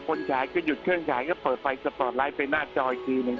ฉายก็หยุดเครื่องฉายก็เปิดไฟสปอร์ตไลท์ไปหน้าจออีกทีหนึ่ง